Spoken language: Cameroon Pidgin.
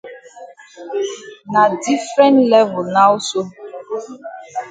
Na different level now so.